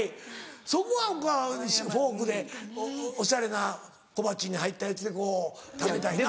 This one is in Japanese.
そこはフォークでおしゃれな小鉢に入ったやつでこう食べたいな。